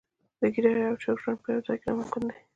د ګیدړې او چرګ ژوند په یوه ځای ناممکن دی.